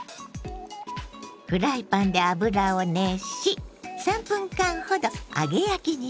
フライパンで油を熱し３分間ほど揚げ焼きにします。